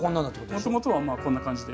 もともとはまあこんな感じで。